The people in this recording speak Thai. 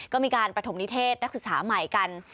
ก็มีการประถมนิเทศนักศึกษาใหม่กัน